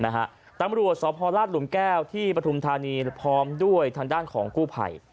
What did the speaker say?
นะฮะตังค์บริวสอบพรรดิหลุมแก้วที่ประทุมธานีพร้อมด้วยทางด้านของกู้ไผ่